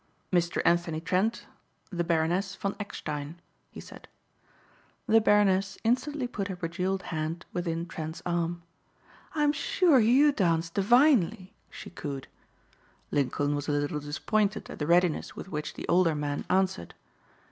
"Mr. Anthony Trent the Baroness von Eckstein," he said. The Baroness instantly put her bejeweled hand within Trent's arm. "I am sure you dance divinely," she cooed. Lincoln was a little disappointed at the readiness with which the older man answered.